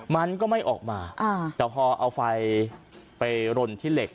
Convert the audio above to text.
มันก็ไม่ออกมาแต่พอเอาไฟไปรนที่เหล็ก